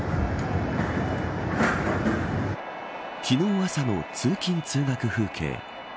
昨日朝の通勤、通学風景。